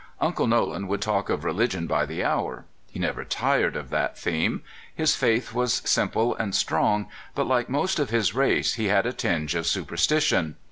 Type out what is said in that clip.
Uncle Nolan would talk of religion by the hour. He never tired of that theme. His faith was sim ple and strong, but, like most of his race, he had a tinge of superstition.